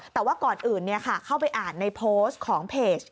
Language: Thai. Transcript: แต่ว่าก่อนอื่นเข้าไปอ่านในโพสต์ของเพจ